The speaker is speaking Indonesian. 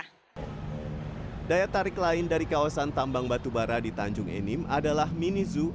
daya tarik lain dari kawasan tambang batubara di tanjung enim adalah mini zoo